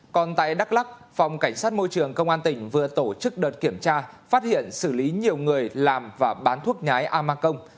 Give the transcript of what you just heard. còn tại đắk lắc phòng cảnh sát môi trường công an tỉnh vừa tổ chức đợt kiểm tra phát hiện xử lý nhiều người làm và bán thuốc nhái ama công